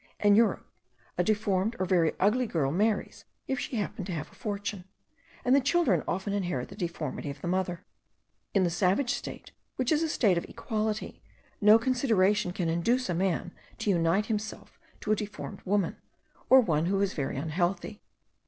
In Europe a deformed or very ugly girl marries, if she happen to have a fortune, and the children often inherit the deformity of the mother. In the savage state, which is a state of equality, no consideration can induce a man to unite himself to a deformed woman, or one who is very unhealthy.